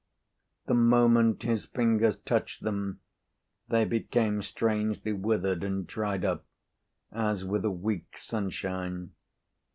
The moment his fingers touched them they became strangely withered and dried up as with a week's sunshine.